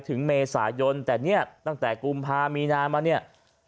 ถึงเมษายนแต่เนี่ยตั้งแต่กุมภามีนามาเนี่ย